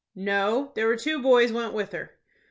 "No; there were two boys went with her."